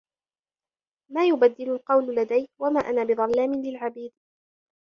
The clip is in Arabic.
ما يُبَدَّلُ القَولُ لَدَيَّ وَما أَنا بِظَلّامٍ لِلعَبيدِ